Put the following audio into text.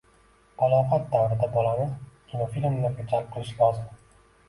Balog'at davrida bolani kinofilmlarga jalb qilish lozim.